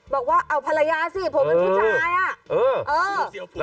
บอกว่าเอาภรรยาสิผมเป็นผู้ชายอ่ะ